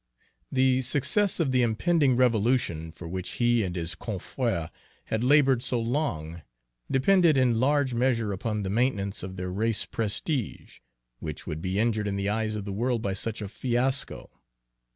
The success of the impending "revolution," for which he and his confrères had labored so long, depended in large measure upon the maintenance of their race prestige, which would be injured in the eyes of the world by such a fiasco.